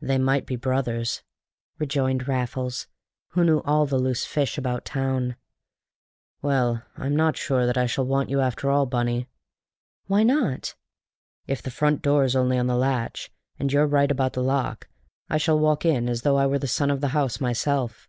"They might be brothers," rejoined Raffles, who knew all the loose fish about town. "Well, I'm not sure that I shall want you after all, Bunny." "Why not?" "If the front door's only on the latch, and you're right about the lock, I shall walk in as though I were the son of the house myself."